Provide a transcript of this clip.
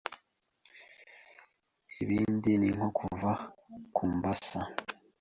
Ibindi ninko kuva ku mbasa